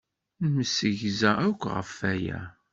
Nemsegza akk ɣef waya.